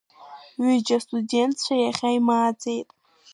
Ҩыџьа астудентцәа иахьа имааӡеит.